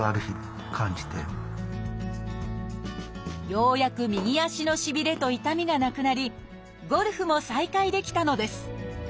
ようやく右足のしびれと痛みがなくなりゴルフも再開できたのです。